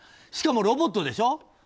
しかも、ロボットでしょ。